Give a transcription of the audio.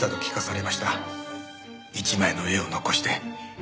一枚の絵を残して。